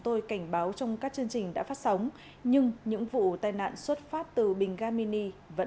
tôi cảnh báo trong các chương trình đã phát sóng nhưng những vụ tai nạn xuất phát từ bình ga mini vẫn